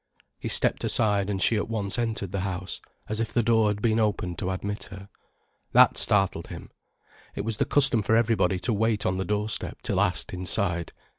He stepped aside and she at once entered the house, as if the door had been opened to admit her. That startled him. It was the custom for everybody to wait on the doorstep till asked inside.